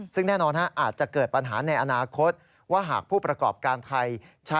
ซึ่งแน่นอนอาจจะเกิดปัญหาในอนาคตว่าหากผู้ประกอบการไทย